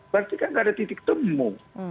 berarti kan gak ada titik temu